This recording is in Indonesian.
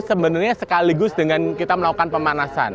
sebenarnya sekaligus dengan kita melakukan pemanasan